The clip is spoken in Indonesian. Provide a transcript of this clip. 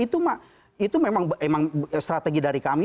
itu memang strategi dari kami